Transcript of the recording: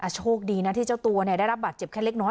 โชคดีนะที่เจ้าตัวได้รับบาดเจ็บแค่เล็กน้อย